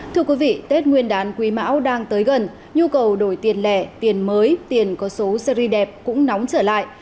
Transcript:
thưa quý vị tết nguyên đán quý mão đang tới gần nhu cầu đổi tiền lẻ tiền mới tiền có số series đẹp cũng nóng trở lại